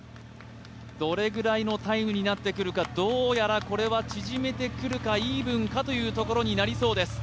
どれぐらいのタイムになってくるかどうやらこれは縮めてくるか、イーブンかというところになりそうです。